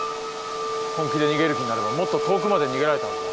本気で逃げる気になればもっと遠くまで逃げられたはずだ。